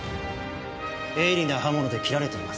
鋭利な刃物で切られています。